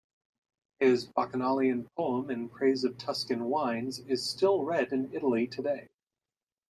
His bacchanalian poem in praise of Tuscan wines is still read in Italy today.